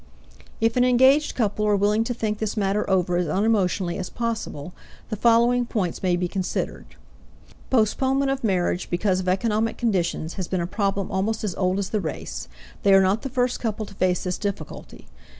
If an engaged couple are willing to think this matter over as unemotionally as possible, the following points may be considered: Postponement of marriage because of economic conditions has been a problem almost as old as the race; they are not the first couple to face this difficulty.